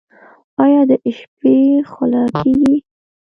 ایا د شپې خوله کیږئ؟